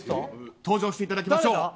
登場していただきましょう。